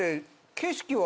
景色は。